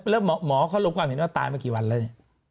แล้วหมอเขาลงความเห็นว่าตายมากี่วันแล้วเนี่ย